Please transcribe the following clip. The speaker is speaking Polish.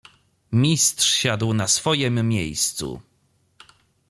"Mistrz siadł na swojem miejscu."